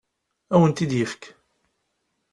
Ad awen-t-id-ifek.